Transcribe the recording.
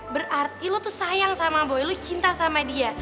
berarti lu tuh sayang sama boy lo cinta sama dia